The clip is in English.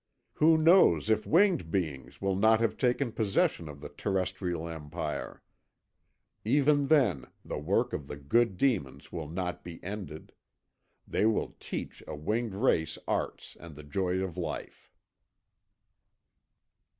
Who knows if winged beings will not have taken possession of the terrestrial empire? Even then the work of the good demons will not be ended, they will teach a winged race arts and the joy of life."